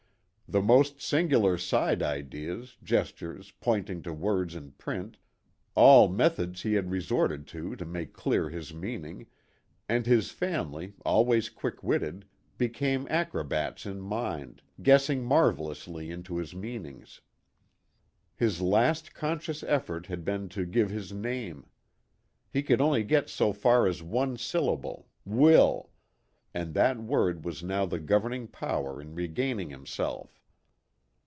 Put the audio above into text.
The most singular side ideas, gestures, point ing to words in print, all methods he had resorted to to make clear his meaning, and his family, always quick witted, became acro bats in mind, guessing marvelously into his meanings. His last conscious effort had been to give his name. He could only get so far as one syllable, " Will," and that word was now the governing power in regaining himself.